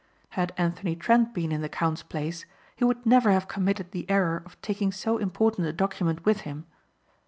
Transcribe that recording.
Had Anthony Trent been in the count's place he would never have committed the error of taking so important a document with him.